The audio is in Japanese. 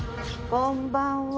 こんばんは。